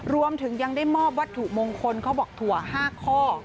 รวมถึงยังได้มอบวัตถุมงคลเขาบอกถั่ว๕ข้อ